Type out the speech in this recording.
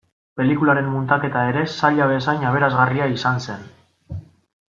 Pelikularen muntaketa ere zaila bezain aberasgarria izan zen.